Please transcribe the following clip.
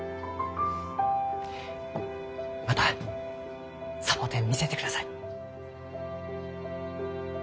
またサボテン見せてください。